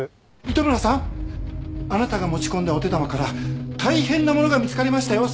糸村さんあなたが持ち込んだお手玉から大変なものが見つかりましたよ。